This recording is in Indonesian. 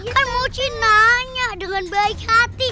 kan mau cien nanya dengan baik hati